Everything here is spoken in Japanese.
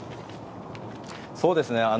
そうですね。